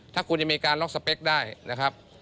ถ้าคุณยังมีการล็อกสเปคได้นะครับ